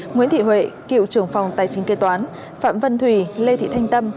nguyễn thị huệ cựu trưởng phòng tài chính kế toán phạm vân thùy lê thị thanh tâm